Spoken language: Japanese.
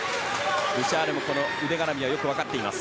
ブシャールも腕がらみはよく分かっています。